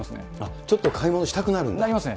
ちょっと買い物したくなるんなりますね。